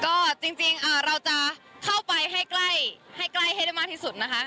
ก็จริงเราจะเข้าไปให้ใกล้ให้ใกล้ให้ได้มากที่สุดนะคะ